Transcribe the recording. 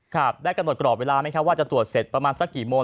ครับได้กำหนดกรอบเวลาไหมครับว่าจะตรวจเสร็จประมาณสักกี่โมง